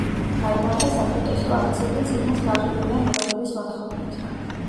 გაიმართა საპროტესტო აქციები წიგნის გაყიდვიდან ამოღების მოთხოვნით.